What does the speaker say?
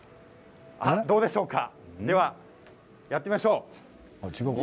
どうでしょうかやってみましょう。